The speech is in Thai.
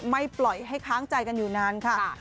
ปล่อยให้ค้างใจกันอยู่นานค่ะ